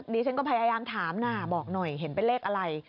ดิฉันก็พยายามถามนะบอกหน่อยเห็นเป็นเลขอะไร